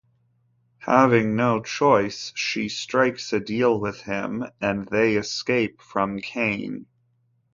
Having no choice, she strikes a deal with him and they escape from Kane.